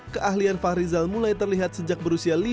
keahlian fahrizal mulai terlihat sejak berusia